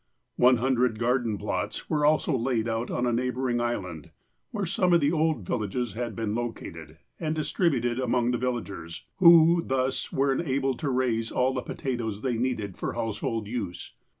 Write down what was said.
One hundred garden plots were also laid out on a neighbouring island, where some of the old villages had been located, and distributed among the villagers, who thus were enabled to raise all the potatoes they needed for household use.